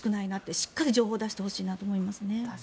しっかり情報を出してほしいなと思いますね。